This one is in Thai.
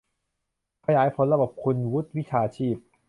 ขยายผลระบบคุณวุฒิวิชาชีพ